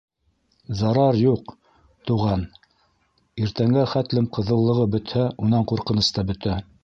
— Зарар юҡ, туған, иртәнгә хәтлем ҡыҙыллығы бөтһә, унан ҡурҡыныс та бөтә.